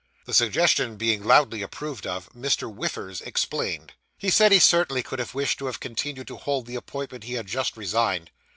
The suggestion being loudly approved of, Mr. Whiffers explained. He said he certainly could have wished to have continued to hold the appointment he had just resigned.